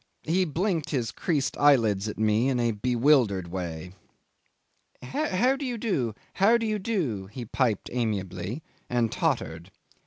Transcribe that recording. He blinked his creased eyelids at me in a bewildered way. "How do you do? how do you do?" he piped amiably, and tottered.